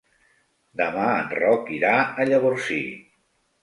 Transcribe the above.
Demà en Roc irà a Llavorsí.